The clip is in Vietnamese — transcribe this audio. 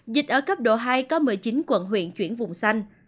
dịch ở cấp độ hai có một mươi chín quận huyện chuyển vùng xanh